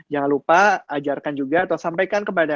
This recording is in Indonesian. jangan lupa ajarkan juga atau sampaikan ke badan